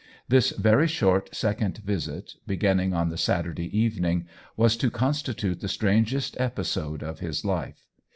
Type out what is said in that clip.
This very short second visit, begin ning on the Saturday evening, was to con stitute the strangest episode of his life.